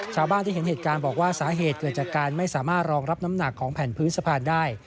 ชาวบ้านที่เห็นเหตุการณ์บอกว่าสาเหตุเกิดจากการไม่สามารถรองรับน้ำหนักของแผ่นพื้นสะพานได้